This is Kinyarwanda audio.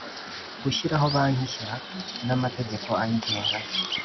gushyiraho banki nshya n amategeko ayigenga